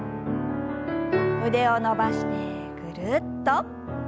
腕を伸ばしてぐるっと。